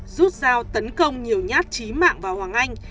rút dao tấn công nhiều nhát chí mạng vào hoàng anh